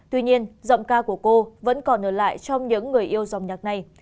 tuy nhiên giọng ca của cô vẫn còn ở lại trong những người yêu dòng nhạc này